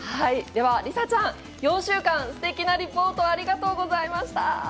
では、リサちゃん、４週間、すてきなリポートをありがとうございました。